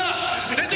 出て！